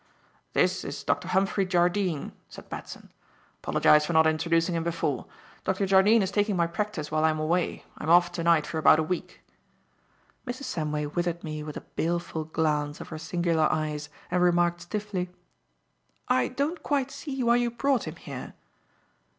"This is Dr. Humphrey Jardine," said Batson. "'Pologize for not introducing him before. Dr. Jardine is taking my practice while I'm away. I'm off to night for about a week." Mrs. Samway withered me with a baleful glance of her singular eyes, and remarked stiffly: "I don't quite see why you brought him here."